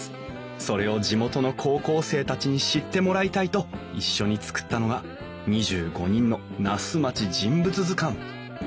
それを地元の高校生たちに知ってもらいたいと一緒に作ったのが２５人の「那須まち人物図鑑」。